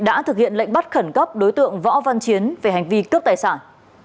đã thực hiện lệnh bắt khẩn cấp đối tượng võ văn chiến về hành vi cướp tài sản